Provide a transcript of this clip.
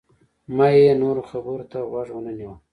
ما یې نورو خبرو ته غوږ ونه نیوه.